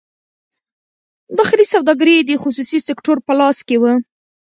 داخلي سوداګري د خصوصي سکتور په لاس کې وه.